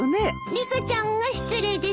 リカちゃんが失礼です。